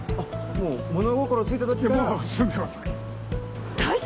もう物心付いた時から。